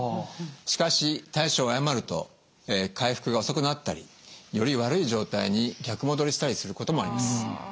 しかし対処を誤ると回復が遅くなったりより悪い状態に逆戻りしたりすることもあります。